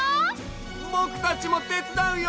ぼくたちもてつだうよ！